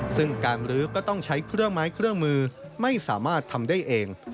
ซึ่งการรื้อก็ต้องใช้เครื่องไม้เครื่องมือไม่สามารถทำได้เอง